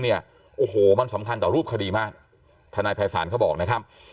เนี่ยโอ้โหมันสำคัญต่อรูปคดีมากทนายภัยศาลเขาบอกนะครับ